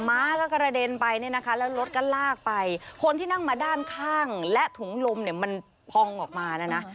ม้าก็กระเด็นไปเนี่ยนะคะแล้วรถก็ลากไปคนที่นั่งมาด้านข้างและถุงลมเนี่ยมันพองออกมานะนะ